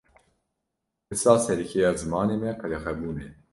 Pirsa sereke ya zimanê me, qedexebûn e